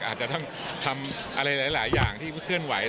อาจจะต้องทำอะไรหลายอย่างที่เคลื่อนไหว